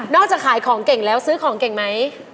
จากขายของเก่งแล้วซื้อของเก่งไหม